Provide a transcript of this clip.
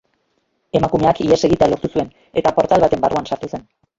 Emakumeak ihes egitea lortu zuen, eta portal baten barruan sartu zen.